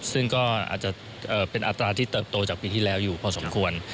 ซึ่งก็อาจจะเป็นอัตราที่เติบโตจากปีที่แล้วอยู่พอสมควร